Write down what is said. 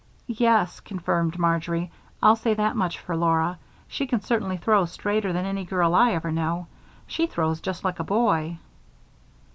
"Yes," confirmed Marjory, "I'll say that much for Laura. She can certainly throw straighter than any girl I ever knew she throws just like a boy."